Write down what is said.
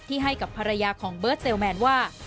ให้กับภรรยาของเบิร์ตเซลแมนว่า